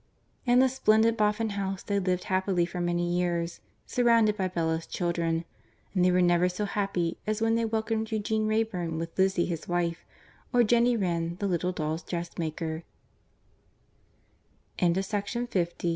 In the splendid Boffin house they lived happily for many years, surrounded by Bella's children. And they were never so happy as when they welcomed Eugene Wrayburn with Lizzie his wife, or Jennie Wren, the little doll